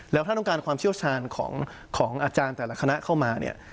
แล้วถ้าต้องการความเชี่ยวชาญของอาจารย์แต่ละคณะเข้ามาเนี่ย